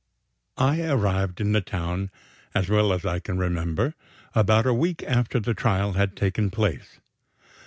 I arrived in the town, as well as I can remember, about a week after the trial had taken place.